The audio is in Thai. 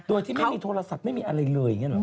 โดยที่ไม่มีโทรศัพท์ไม่มีอะไรเลยอย่างนี้หรอ